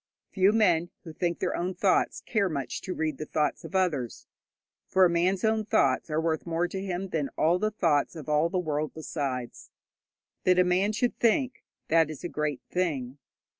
Few men who think their own thoughts care much to read the thoughts of others, for a man's own thoughts are worth more to him than all the thoughts of all the world besides. That a man should think, that is a great thing.